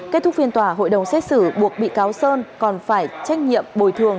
kết thúc phiên tòa hội đồng xét xử buộc bị cáo sơn còn phải trách nhiệm bồi thường